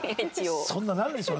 そんなないでしょ。